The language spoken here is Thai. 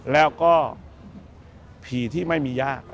แล้วก็ผีที่ไม่มีญาติ